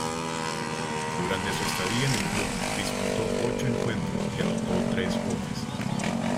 Durante su estadía en el club disputó ocho encuentros y anotó tres goles.